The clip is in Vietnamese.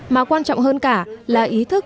mà quan trọng hơn cả là ý thức